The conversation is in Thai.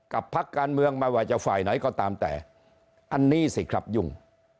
พักการเมืองไม่ว่าจะฝ่ายไหนก็ตามแต่อันนี้สิครับยุ่ง